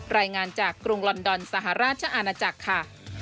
รายงานจากกรุงลอนดอนสหราชอาณาจักรค่ะ